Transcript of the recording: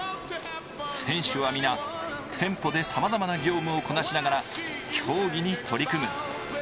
選手は皆、店舗でさまざまな業務をこなしながら競技に取り組む。